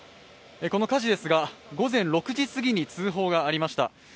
この火事ですが、午前６時すぎに通報がありました。